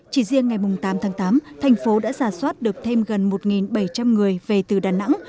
chỉ riêng ngày tám tháng tám thành phố đã giả soát được thêm gần một bảy trăm linh người về từ đà nẵng